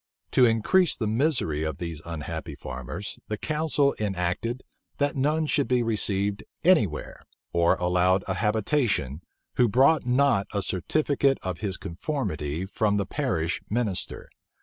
To increase the misery of these unhappy farmers, the council enacted, that none should be received any where, or allowed a habitation, who brought not a certificate of his conformity from the parish minister.